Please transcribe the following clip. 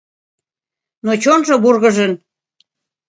Но чонжо вургыжын.